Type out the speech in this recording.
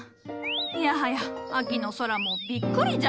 いやはや秋の空もびっくりじゃ。